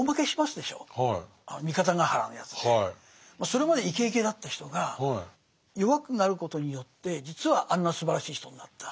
それまでイケイケだった人が弱くなることによって実はあんなすばらしい人になった。